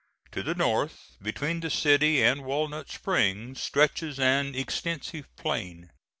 To the north, between the city and Walnut Springs, stretches an extensive plain.